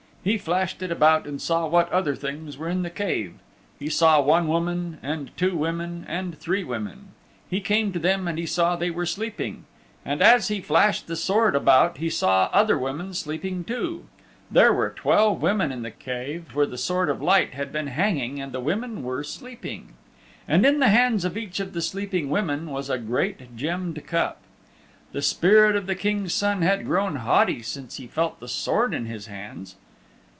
He flashed it about and saw what other things were in the Cave. He saw one woman, and two women and three women. He came to them and he saw they were sleeping. And as he flashed the Sword about he saw other women sleeping too. There were twelve women in the Cave where the Sword of Light had been hanging and the women were sleeping. And in the hands of each of the sleeping women was a great gemmed cup. The spirit of the King's Son had grown haughty since he felt the Sword in his hands.